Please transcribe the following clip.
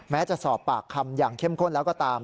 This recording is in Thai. แม้จะสอบปากคำอย่างเข้มข้นแล้วก็ตาม